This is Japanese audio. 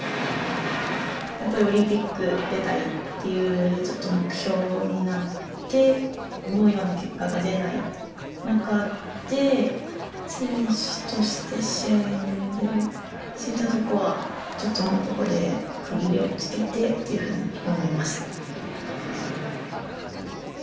やっぱりオリンピック出たいっていうずっと目標になって思うような結果が出ない中で選手として試合に出るそういったとこはちょっともうここで区切りをつけてっていうふうに思いました。